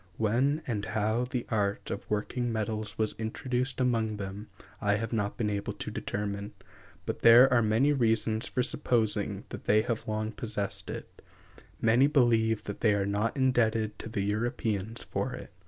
When and how the art of working metals was introduced among them I have not been able to determine; but there are many reasons for supposing that they have long possessed it; many believe that they are not indebted to the Europeans for it.